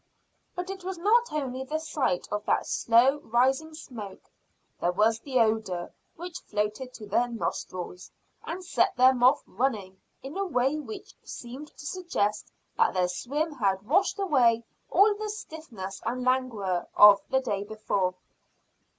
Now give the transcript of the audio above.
But it was not only the sight of that slow rising smoke, there was the odour which floated to their nostrils, and set them off running in a way which seemed to suggest that their swim had washed away all the stiffness and languor of the day before.